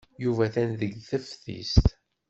Yuba atan deg teftist.